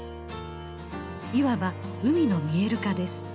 いわば海の見える化です。